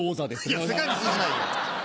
いや世界に通じないよ。